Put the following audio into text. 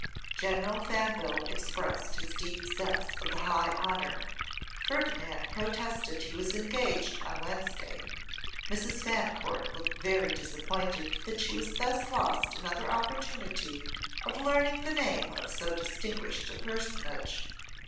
General Faneville expressed his deep sense of the high honour; Ferdinand protested he was engaged on Wednesday; Mrs. Fancourt looked very disappointed that she had thus lost another opportunity of learning the name of so distinguished a personage.